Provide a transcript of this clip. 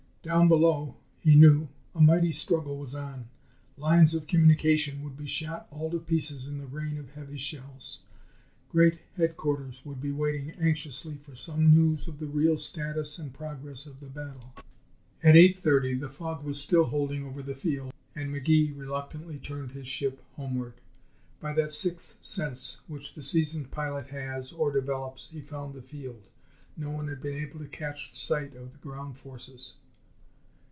Down below, he knew, a mighty struggle was on. Lines of communication would be shot all to pieces in the rain of heavy shells. Great Headquarters would be waiting anxiously for some news of the real status and progress of the battle. At 8:30 the fog was still holding over the field and McGee reluctantly turned his ship homeward. By that sixth sense which the seasoned pilot has, or develops, he found the field. No one had been able to catch sight of the ground forces.